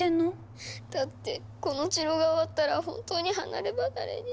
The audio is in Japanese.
だってこの治療が終わったら本当に離れ離れに。